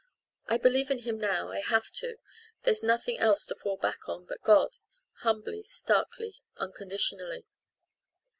I believe in Him now I have to there's nothing else to fall back on but God humbly, starkly, unconditionally."